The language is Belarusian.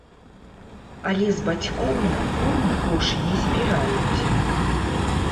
Але з бацькоў на форму грошы не збіраюць.